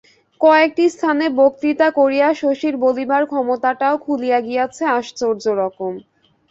কয়েকটি স্থানে বক্তৃতা করিয়া শশীর বলিবার ক্ষমতাটাও খুলিয়া গিয়াছে আশ্চর্যরকম।